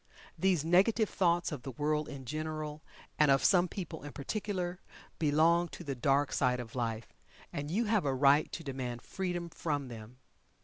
These negative thoughts of the world in general, and of some people in particular, belong to the dark side of life, and you have a right to demand freedom from them.